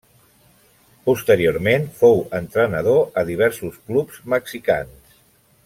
Posteriorment fou entrenador a diversos clubs mexicans.